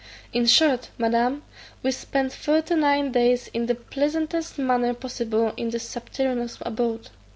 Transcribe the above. In short, madam, we spent thirty nine days in the pleasantest manner possible in this subterraneous abode.